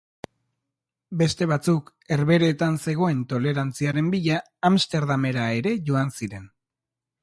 Beste batzuk, Herbehereetan zegoen tolerantziaren bila Amsterdamera ere joan ziren.